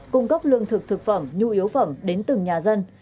cung cấp lương thực thực phẩm nhu yếu phẩm đến từng nhà dân